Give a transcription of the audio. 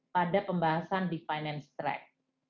pada pembahasan di finance track